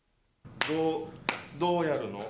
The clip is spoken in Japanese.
どうやるの？